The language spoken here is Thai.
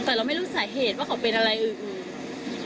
แต่เราไม่รู้สาเหตุว่าเขาเป็นอะไรอื่น